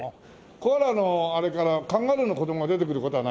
コアラのあれからカンガルーの子供が出てくる事はないよね？